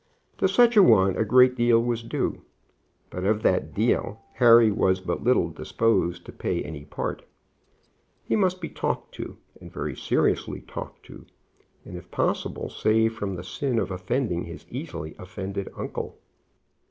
To such a one a great deal was due; but of that deal Harry was but little disposed to pay any part. He must be talked to, and very seriously talked to, and if possible saved from the sin of offending his easily offended uncle.